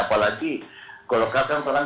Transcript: apalagi kalau katakan sekarang